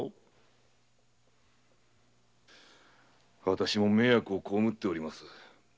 私も迷惑を被っております。